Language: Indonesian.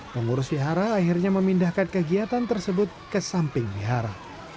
pengurus vihara akhirnya memindahkan kegiatan tersebut ke samping vihara